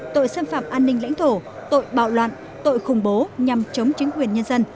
tội xâm phạm an ninh lãnh thổ tội bạo loạn tội khủng bố nhằm chống chính quyền nhân dân